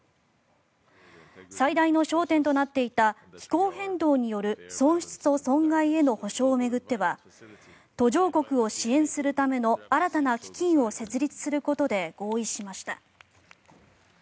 最大の焦点となっていた気候変動による損失と損害への補償を巡っては途上国を支援するための新たな基金を設立することで合意しました。